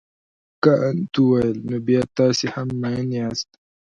کانت وویل نو بیا تاسي هم مین یاست.